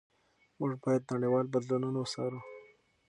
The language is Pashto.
موږ باید نړیوال بدلونونه وڅارو.